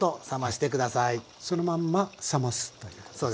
そのまんま冷ますということですね。